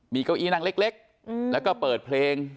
มีเก้าอี้นั่งเล็กแล้วก็เปิดเพลง